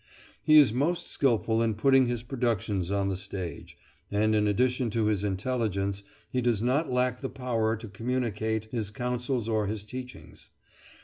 He is most skilful in putting his productions on the stage; and in addition to his intelligence he does not lack the power to communicate his counsels or his teachings.